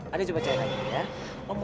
adik mari pulangin sekarang ya